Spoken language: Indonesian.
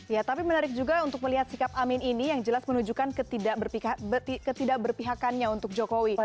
ya tapi menarik juga untuk melihat sikap amin ini yang jelas menunjukkan ketidakberpihakannya untuk jokowi